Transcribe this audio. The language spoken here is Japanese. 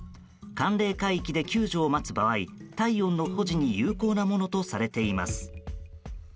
寒冷海域で救助を待つ場合体温の保持に有効なものとされています。